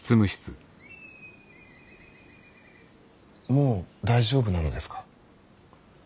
もう大丈夫なのですか。